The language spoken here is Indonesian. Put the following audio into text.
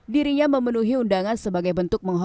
dirinya memenuhi undangan sebagai bentuk